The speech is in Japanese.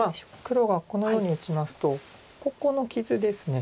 黒がこのように打ちますとここの傷です。